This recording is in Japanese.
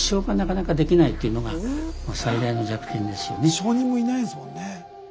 証人もいないですもんね。